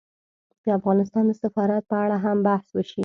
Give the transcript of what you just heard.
د افغانستان د سفارت په اړه هم بحث وشي